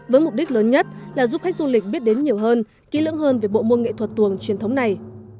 với mục đích lớn nhất là giúp khách du lịch biết đến nhiều hơn kỹ lưỡng hơn về bộ môn nghệ thuật tuồng truyền thống này